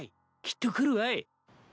きっと来るわい。